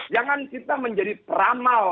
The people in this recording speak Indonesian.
jangan kita menjadi peramal